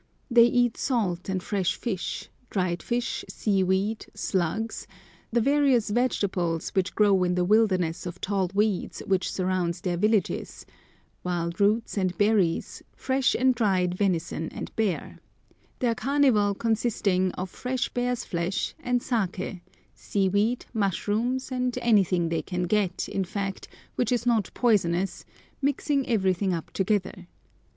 They eat salt and fresh fish, dried fish, seaweed, slugs, the various vegetables which grow in the wilderness of tall weeds which surrounds their villages, wild roots and berries, fresh and dried venison and bear; their carnival consisting of fresh bear's flesh and saké, seaweed, mushrooms, and anything they can get, in fact, which is not poisonous, mixing everything up together.